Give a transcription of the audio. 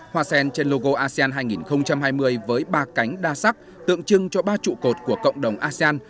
hoa sen trên logo asean hai nghìn hai mươi với ba cánh đa sắc tượng trưng cho ba trụ cột của cộng đồng asean